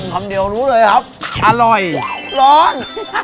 คำเดียวรู้เลยครับอร่อยร้อน